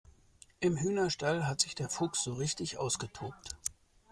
Im Hühnerstall hat sich der Fuchs so richtig ausgetobt.